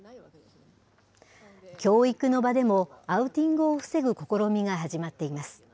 教育の場でも、アウティングを防ぐ試みが始まっています。